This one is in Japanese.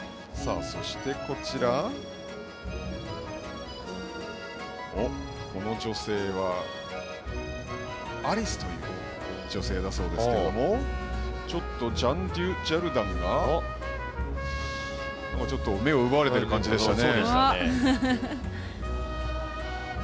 そして、この女性はアリスという女性だそうですがちょっとジャン・デュジャルダンが目を奪われている感じでしたね。